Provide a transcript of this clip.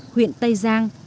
huyện tây giang